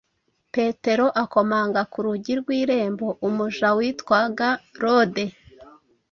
Petero akomanga ku rugi rw’irembo; umuja witwaga Rode,